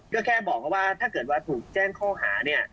ก็แค่บอกว่าถ้าเกิดว่าถูกแจ้งข้อหาเนี่ย